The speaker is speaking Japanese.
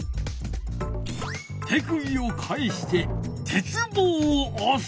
手首を返して鉄棒をおす。